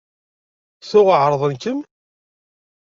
Tuɣ εerḍen-kem?